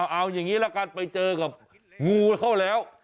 เอาอย่างนี้ละกันไปเจอกับงูเข้าแล้ว